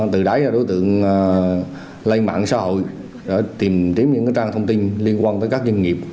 từ đấy đối tượng lây mạng xã hội tìm tìm những trang thông tin liên quan tới các doanh nghiệp